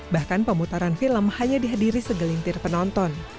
bahkan pemutaran film hanya dihadiri segelintir penonton